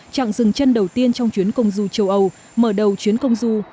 trạng dừng chân đầu tiên trong chuyến công du châu âu mở đầu chuyến công du